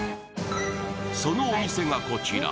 そのお店がこちら。